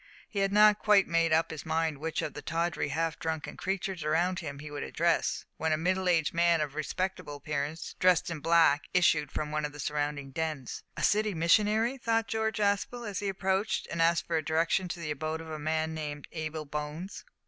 He had not quite made up his mind which of the tawdry, half drunken creatures around him he would address, when a middle aged man of respectable appearance, dressed in black, issued from one of the surrounding dens. "A city missionary," thought George Aspel, as he approached, and asked for direction to the abode of a man named Abel Bones.